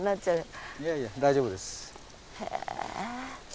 いやいや大丈夫です。